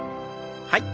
はい。